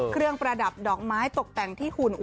เครื่องประดับดอกไม้ตกแต่งที่หุ่น